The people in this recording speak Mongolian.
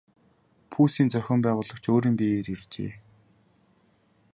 Пүүсийн зохион байгуулагч өөрийн биеэр иржээ.